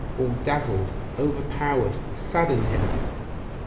all dazzled, overpowered, saddened him....